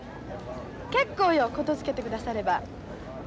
結構よ言づけてくだされば。